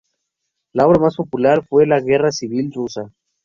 La obra más popular fue la Guerra Civil Rusa.